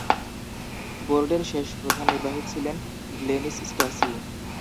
বোর্ডের শেষ প্রধান নির্বাহী ছিলেন গ্লেনিস স্ট্যাসি।